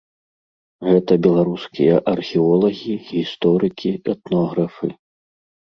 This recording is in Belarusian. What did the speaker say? Гэта беларускія археолагі, гісторыкі, этнографы.